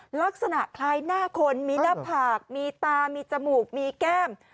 ลักษณะคล้ายหน้าคนมีหน้าผากมีตามีจมูกมีแก้ม